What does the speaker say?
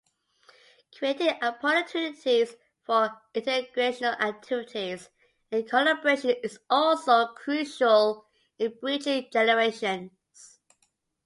Creating opportunities for intergenerational activities and collaboration is also crucial in bridging generations.